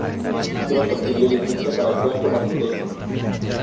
Pronto pidió licencia para actuar como arquitecto.